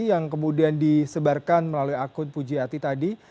yang kemudian disebarkan melalui akun puji ati tadi